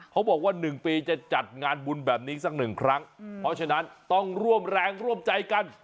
เขาบอกว่า๑ปีจะจัดงานบุญแบบนี้สักหนึ่งครั้งเพราะฉะนั้นต้องร่วมแรงร่วมใจกัน